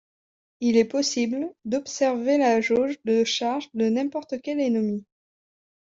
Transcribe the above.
Il est possible d'observer la jauge de charge de n'importe quel ennemi.